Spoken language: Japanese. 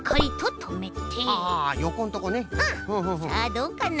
さあどうかな？